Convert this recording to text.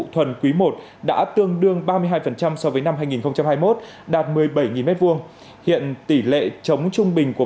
thuần quý i đã tương đương ba mươi hai so với năm hai nghìn hai mươi một đạt một mươi bảy m hai hiện tỷ lệ trống trung bình của